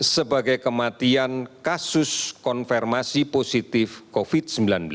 sebagai kematian kasus konfirmasi positif covid sembilan belas